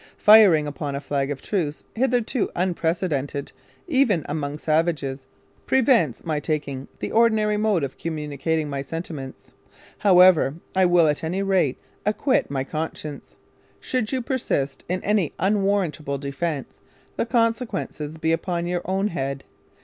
Firing upon a flag of truce, hitherto unprecedented, even among savages, prevents my taking the ordinary mode of communicating my sentiments. However, I will at any rate acquit my conscience. Should you persist in an unwarrantable defence, the consequences be upon your own head.